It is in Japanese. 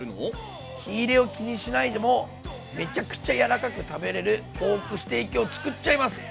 火入れを気にしないでもめちゃくちゃ柔らかく食べれるポークステーキをつくっちゃいます！